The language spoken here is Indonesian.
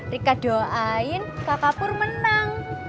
rika doain kakak pur menang